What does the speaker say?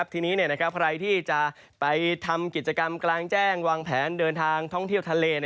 ทีนี้ใครที่จะไปทำกิจกรรมกลางแจ้งวางแผนเดินทางท่องเที่ยวทะเล